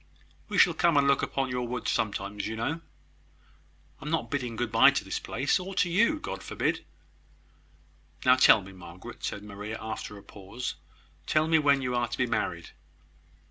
"We shall come and look upon your woods sometimes, you know. I am not bidding good bye to this place, or to you. God forbid!" "Now tell me, Margaret," said Maria, after a pause, "tell me when you are to be married."